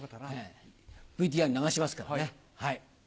ＶＴＲに流しますからね。